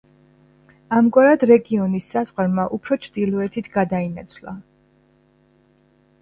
ამგვარად, რეგიონის საზღვარმა უფრო ჩრდილოეთით გადაინაცვლა.